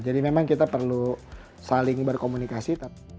jadi memang kita perlu saling berkomunikasi